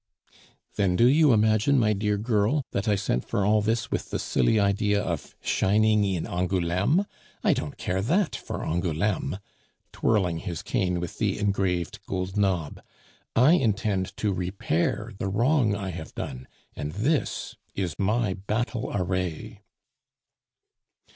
"Then do you imagine, my dear girl, that I sent for all this with the silly idea of shining in Angouleme? I don't care that for Angouleme" (twirling his cane with the engraved gold knob). "I intend to repair the wrong I have done, and this is my battle array."